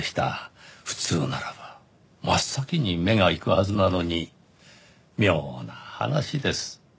普通ならば真っ先に目がいくはずなのに妙な話です。